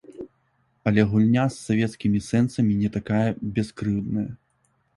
Але гульня з савецкімі сэнсамі не такая бяскрыўдная.